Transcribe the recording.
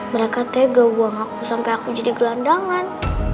mereka tega uang aku sampe aku jadi gelandangan